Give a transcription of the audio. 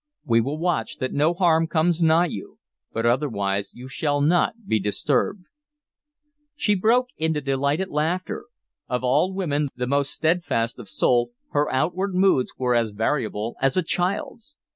We will watch that no harm comes nigh you, but otherwise you shall not be disturbed." She broke into delighted laughter. Of all women the most steadfast of soul, her outward moods were as variable as a child's.